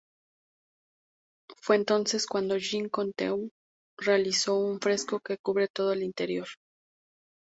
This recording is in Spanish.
Fue entonces cuando Jean Cocteau realizó un fresco que cubre todo el interior.